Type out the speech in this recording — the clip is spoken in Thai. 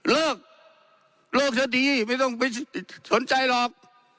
เลิกเลิกซะดีไม่ต้องไปสนใจหรอก